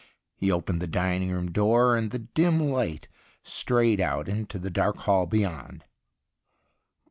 He opened the dining room door, and the dim light strayed out into the dark hall beyond.